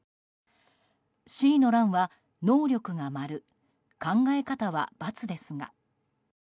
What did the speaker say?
Ｃの欄は能力が〇考え方は×ですが。